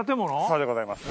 そうでございます。